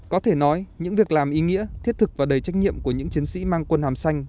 có thể nói những việc làm ý nghĩa thiết thực và đầy trách nhiệm của những chiến sĩ mang quân hàm xanh